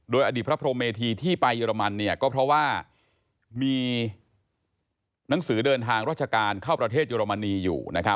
อดีตพระพรหมเมธีที่ไปเยอรมันก็เพราะว่ามีหนังสือเดินทางราชการเข้าประเทศเยอรมนีอยู่